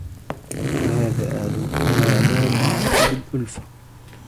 وَهَذَا أَعْلَى مَرَاتِبِ الْأُلْفَةِ